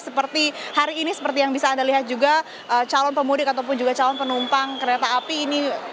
seperti hari ini seperti yang bisa anda lihat juga calon pemudik ataupun juga calon penumpang kereta api ini